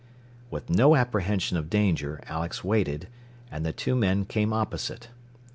With no apprehension of danger Alex waited, and the two men came opposite.